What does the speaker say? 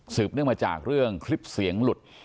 เนื่องมาจากเรื่องคลิปเสียงหลุด